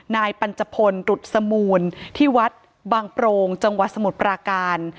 นายปัญจพลตรุษสมูลที่วัดบางโปรงจังหวัดสมุทรปราการ